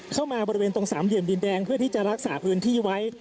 เข้ามาบริเวณตรงสามเหลี่ยมดินแดงเพื่อที่จะรักษาพื้นที่ไว้